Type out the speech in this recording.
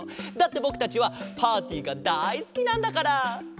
だってぼくたちはパーティーがだいすきなんだから！